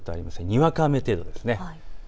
にわか雨程度です。